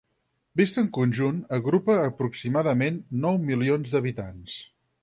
Vist en conjunt, agrupa aproximadament nou milions d'habitants.